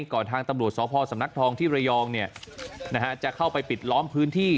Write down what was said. ก่อนทางตำรวจสพสำนักทองที่ระยองจะเข้าไปปิดล้อมพื้นที่